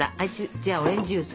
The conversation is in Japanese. じゃあオレンジジュース。